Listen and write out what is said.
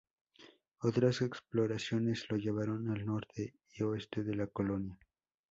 Otras exploraciones lo llevaron al norte y oeste de la colonia.